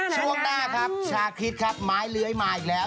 ช่วงหน้าครับชาคริสครับไม้เลื้อยมาอีกแล้ว